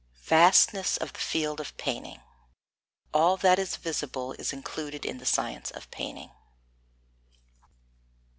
3. Vastness of the field of painting: All that is visible is included in the science of painting.